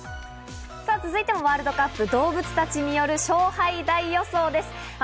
続いてワールドカップ、動物たちによる勝敗大予想です。